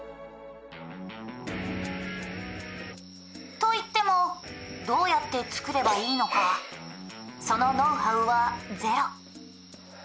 「といってもどうやって作ればいいのかそのノウハウはゼロ」